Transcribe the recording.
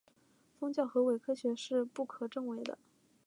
宗教和伪科学是不可证伪的。